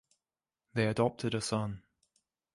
They adopted a son.